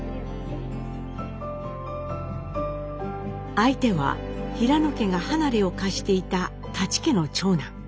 相手は平野家が離れを貸していた舘家の長男。